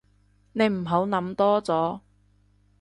你唔好諗多咗